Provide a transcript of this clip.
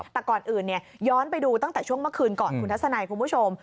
แต่ก่อนอื่นย้อนไปดูตั้งแต่ช่วงเมื่อคืนก่อนคุณทัศนัยคุณผู้ชม